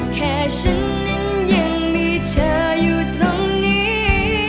แค่ฉันนั้นยังมีเธออยู่ตรงนี้